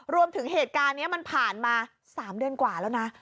เหตุการณ์นี้มันผ่านมา๓เดือนกว่าแล้วนะ